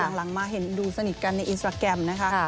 หลังมาเห็นดูสนิทกันในอินสตราแกรมนะคะ